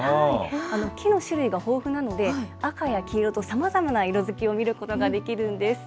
木の種類が豊富なので、赤や黄色と、さまざまな色づきを見ることができるんです。